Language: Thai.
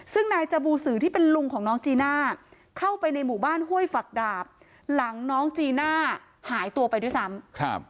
ซึ่งนายจบูสือที่เป็นลุงของน้องจีน่าเข้าไปในหมู่บ้านห้วยฝักดาบหลังน้องจีน่าหายตัวไปด้วยซ้ำครับ